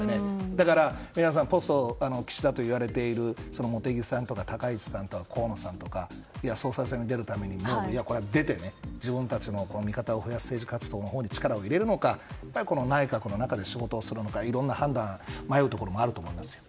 だから皆さんポスト岸田といわれている茂木さん、高市さん河野さんとか総裁選に出て自分たちの味方を増やす政治活動のほうに力を入れるのか内閣の中で仕事をするのかいろんな判断、迷うところもあると思いますよ。